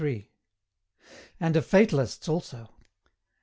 AND OF FATALISTS ALSO.